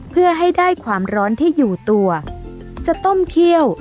เพื่อให้ได้ความร้อนที่อยู่ตัวจะต้มเคี่ยว